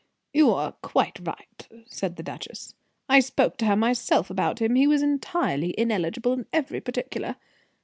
"You were quite right," said the duchess. "I spoke to her myself about him. He was entirely ineligible in every particular.